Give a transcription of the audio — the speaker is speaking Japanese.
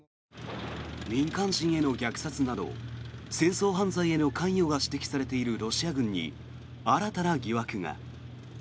民間人への虐殺など戦争犯罪への関与が指摘されているロシア軍に新たな疑惑が。